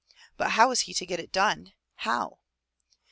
But how was he to get it done, — how?